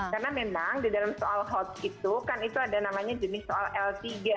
karena memang di dalam soal hot itu kan itu ada namanya jenis soal l tiga